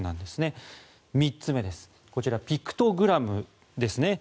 ３つ目こちら、ピクトグラムですね。